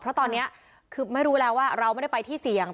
เพราะตอนนี้คือไม่รู้แล้วว่าเราไม่ได้ไปที่เสี่ยง